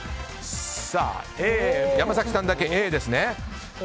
山崎さんだけＡですね。